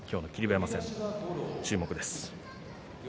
馬山戦、注目です。